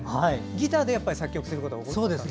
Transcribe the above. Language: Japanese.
ギターで作曲することが多いですか？